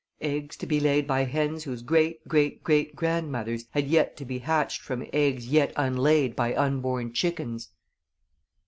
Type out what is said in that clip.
"Eggs to be laid by hens whose great great great grandmothers had yet to be hatched from eggs yet unlaid by unborn chickens."